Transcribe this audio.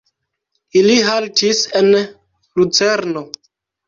Ili haltis en Lucerno.